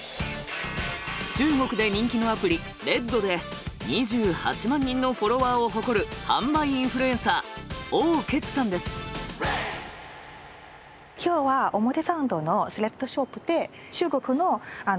中国で人気のアプリＲＥＤで２８万人のフォロワーを誇る販売インフルエンサー３時間前？